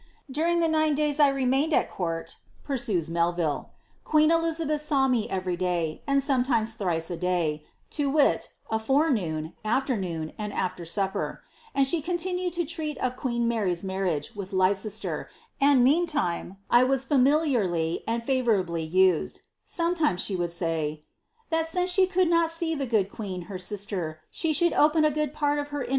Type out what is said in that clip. "During the nine days 1 remained at court," pursues Melville, queen fllizabeih saw me every day, and sometimes thrice a day ; to wit, afore noon, afternoon, and after supper; she continued to treat of queen Mary's marriage with Leicester, and meantime I was familiarly and fiivourably used ; sometimes she would say, ' that since she could not Me the good queen, her sister, she should open a good part of her in wan!